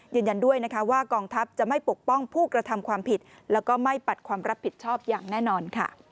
ยืนยันด้วยนะคะว่ากองทัพจะไม่ปกป้องผู้กระทำความผิดแล้วก็ไม่ปัดความรับผิดชอบอย่างแน่นอน